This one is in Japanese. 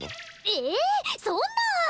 ええそんな！